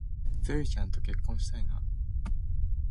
ツウィちゃんと結婚したいな